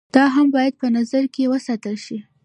دا هم بايد په نظر کښې وساتلے شي